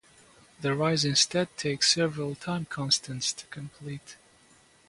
The rise instead takes several time-constants to complete.